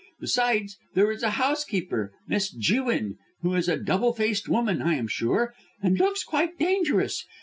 Besides, there is a housekeeper, Miss Jewin, who is a double faced woman, I am sure, and looks quite dangerous.